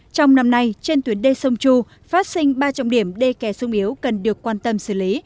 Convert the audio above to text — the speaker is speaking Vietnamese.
trong năm nay trên tuyến đê sông chu phát sinh ba trọng điểm đê kè sung yếu cần được quan tâm xử lý